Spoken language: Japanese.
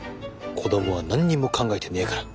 子どもは何にも考えてねえから。